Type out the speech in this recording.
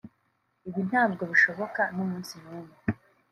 Ibi ntabwo bishoboka n’umunsi numwe